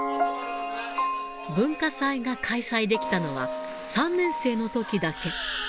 文化祭が開催できたのは、３年生のときだけ。